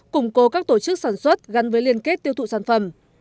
củng cố các tổ chức sản xuất gắn với liên kết tiêu thụ sản phẩm